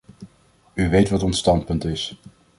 U weet wat ons standpunt is.